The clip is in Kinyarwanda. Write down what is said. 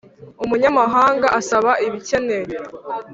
Umunyamahanga asaba ibikenewe.